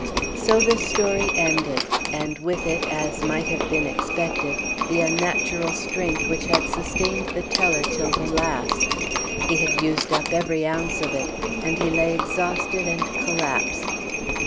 So the story ended, and with it, as might have been expected, the unnatural strength which had sustained the teller till the last; he had used up every ounce of it, and he lay exhausted and collapsed.